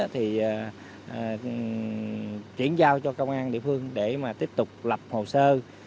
thì chuyển giao cho công an địa phương để mà tiếp tục lập hồ sơ